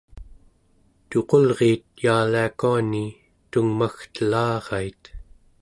tuqulriit yaaliakuani tungmagtelarait